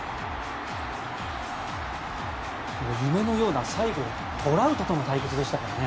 夢のような最後トラウトとの対決でしたからね。